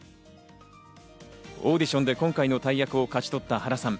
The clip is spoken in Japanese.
オーディションで今回の大役を勝ち取った原さん。